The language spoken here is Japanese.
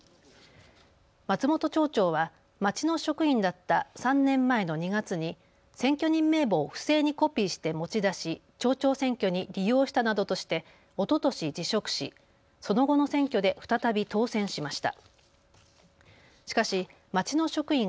松本町長は町の職員だった３年前の２月に選挙人名簿を不正にコピーして持ち出し町長選挙に利用したなどとしておととし辞職しその後の選挙で再び当選しました。